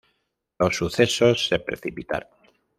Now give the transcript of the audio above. Los sucesos se precipitaron.